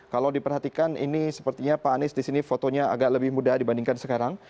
kalau diperhatikan ini sepertinya pak anies disini fotonya agak lebih mudah dibandingkan sekarang